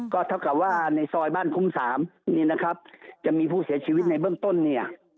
ก็เท่ากับว่าในซอยบ้านคุ้ม๓นี่นะครับจะมีผู้เสียชีวิตในเบื้องต้นเนี่ย